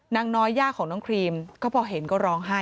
นางน้อยย่าของน้องครีมก็พอเห็นก็ร้องไห้